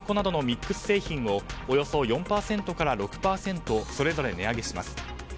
天ぷら粉などのミックス製品をおよそ４％から６％それぞれ値上げします。